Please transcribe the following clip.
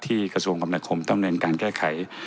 ที่กระทรวงกรรมนาคมทำเนินการแก้ไข